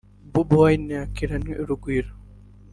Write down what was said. Bobi Wine yakiranywe urugwiro